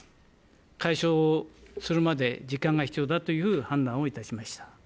解消するまで時間が必要だという判断をいたしました。